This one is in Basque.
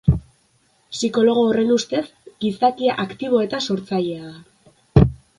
Psikologo horren ustez, gizakia aktibo eta sortzailea da.